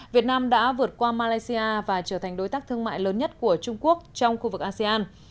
việt nam đã vượt qua malaysia và trở thành đối tác thương mại lớn nhất của trung quốc trong khu vực asean